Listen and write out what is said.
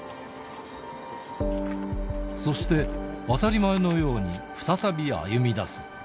そして、当たり前のように再び歩みだす。